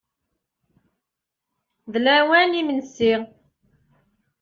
Uwḍeɣ ɣer din uqbel-is.